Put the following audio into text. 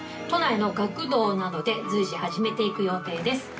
都内の学童などで随時始めていく予定です。